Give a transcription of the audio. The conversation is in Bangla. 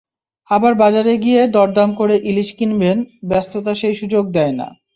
আবার বাজারে গিয়ে দাম-দর করে ইলিশ কিনবেন, ব্যস্ততা সেই সুযোগ দেয় না।